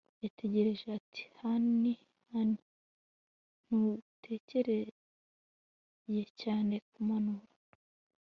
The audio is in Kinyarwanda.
Yatekereje ati Hahn hahn ntukeneye cyane kumanura